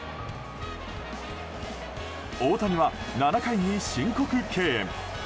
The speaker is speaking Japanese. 大谷は７回に申告敬遠。